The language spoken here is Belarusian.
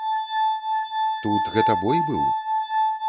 Тут гэта бой быў?